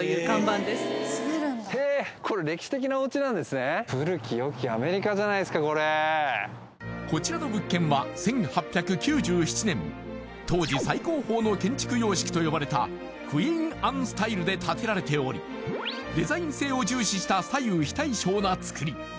これこちらの物件は１８９７年当時最高峰の建築様式と呼ばれたで建てられておりデザイン性を重視した左右非対称な造り